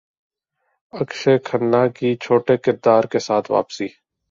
اکشے کھنہ کی چھوٹے کردار کے ساتھ واپسی